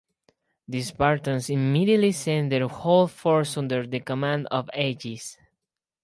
The Spartans immediately sent their whole force under the command of Agis.